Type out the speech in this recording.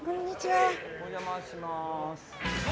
お邪魔します。